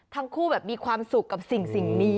ทั้งคู่แบบมีความสุขกับสิ่งนี้